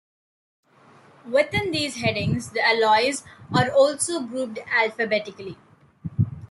Within these headings, the alloys are also grouped alphabetically.